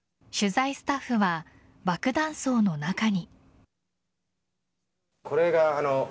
取材スタッフは爆弾倉の中に。